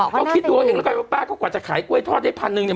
เขาคิดดูเอาเองแล้วกันว่าป้าก็กว่าจะขายกล้วยทอดได้พันหนึ่งเนี่ย